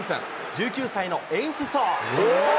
１９歳のエンシソ。